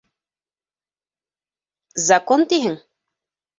Закон тиһең.